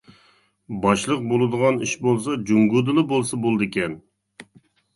باشلىق بولىدىغان ئىش بولسا جۇڭگودىلا بولسا بولىدىكەن.